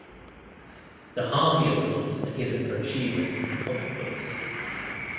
The Harvey Awards are given for achievement in comic books.